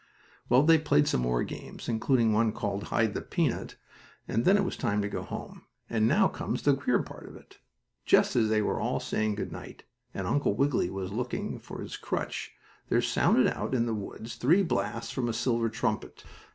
Well, they played some more games, including one called hide the peanut, and then it was time to go home; and now comes the queer part of it. Just as they were all saying good night, and Uncle Wiggily was looking for his crutch, there sounded out in the woods three blasts from a silver trumpet.